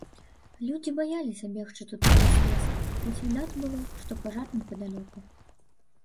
Людзі баяліся бегчы туды праз лес, хоць відаць было, што пажар непадалёку.